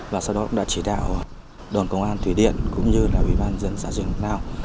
và sau đó cũng đã chỉ đạo đoàn công an thủy điện cũng như là ủy ban dân giả dựng ngao